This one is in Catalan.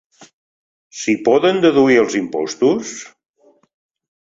S'hi poden deduir els impostos?